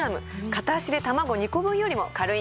片足で卵２個分よりも軽いんです。